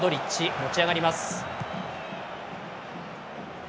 持ち上がります。